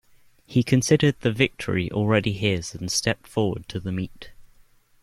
He considered the victory already his and stepped forward to the meat.